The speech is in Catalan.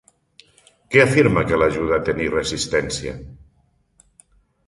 Què afirma que l'ajuda a tenir resistència?